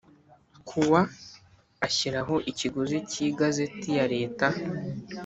kuwa ashyiraho ikiguzi cy Igazeti ya leta